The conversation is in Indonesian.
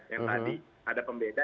yang tadi ada pembeda